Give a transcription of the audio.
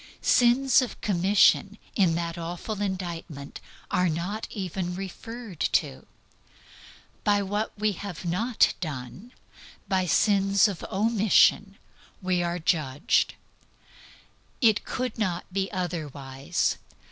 Sins of commission in that awful indictment are not even referred to. By what we have not done, by sins of omission, we are judged. It could not be otherwise.